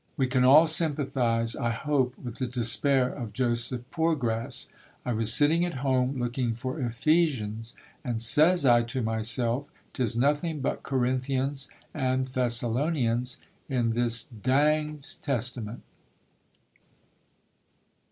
We can all sympathise (I hope) with the despair of Joseph Poorgrass: "I was sitting at home looking for Ephesians and says I to myself, 'Tis nothing but Corinthians and Thessalonians in this danged Testament!"